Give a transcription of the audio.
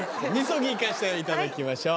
禊行かせていただきましょう。